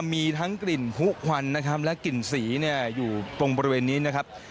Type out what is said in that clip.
มีทั้งกลิ่นผู้ควันนะครับและกลิ่นสีเนี่ยอยู่ตรงบริเวณนี้นะครับ